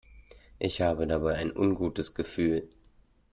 Ich habe dabei ein ungutes Gefühl.